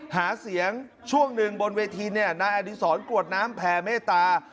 หาเสียงช่วงหนึ่งบนเวทีเนี่ยนายอดีศรกรวดน้ำแผ่เมตตา